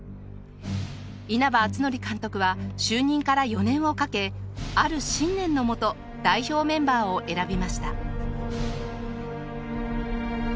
稲葉篤紀監督は就任から４年をかけある信念のもと代表メンバーを選びました。